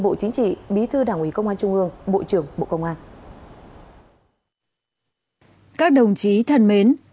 bộ chính trị bí thư đảng ủy công an trung ương bộ trưởng bộ công an các đồng chí thân mến